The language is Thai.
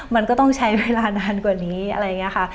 มันก็ต้องใช้เวลานานกว่านี้อะไรอย่างนี้ค่ะ